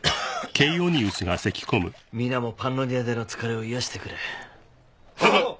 皆もパンノニアでの疲れを癒やしてくれははっ！